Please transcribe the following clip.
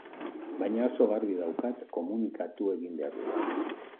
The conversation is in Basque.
Baina oso garbi daukat komunikatu egin behar dudala.